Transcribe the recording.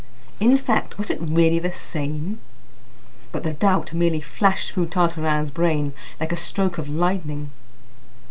In fact, was it really the same? But the doubt merely flashed through Tartarin's brain like a stroke of lightning.